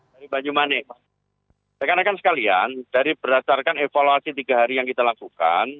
dari banyumani saya kanakan sekalian dari berdasarkan evaluasi tiga hari yang kita lakukan